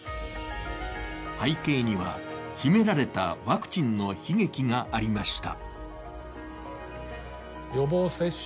背景には、秘められたワクチンの悲劇がありました。